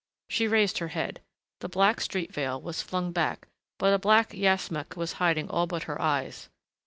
She raised her head. The black street veil was flung back, but a black yashmak was hiding all but her eyes.